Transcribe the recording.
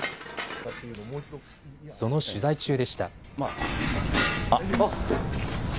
その取材中でした。